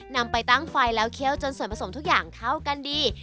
นำไปตั้งไฟแล้วเคี่ยวจนส่วนผสมทุกอย่างเข้ากันดี